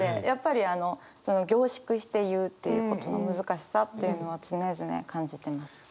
やっぱり凝縮して言うということの難しさっていうのは常々感じてます。